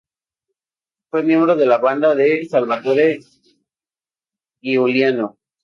Fue miembro de la banda de Salvatore Giuliano.